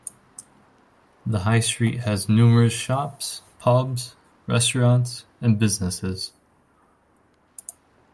The high street has numerous shops, pubs, restaurants and businesses.